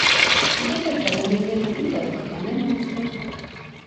Ի դեպ, այդ Բադամյանները ի՞նչ ազգական են ամուսնուդ: